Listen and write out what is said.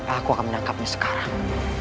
aku akan menangkapnya sekarang